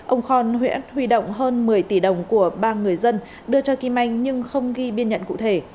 ông khon nguyễn huy động hơn một mươi tỷ đồng của ba người dân đưa cho kim anh nhưng không ghi biên nhận cụ thể